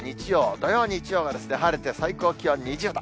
土曜、日曜は晴れて最高気温２０度。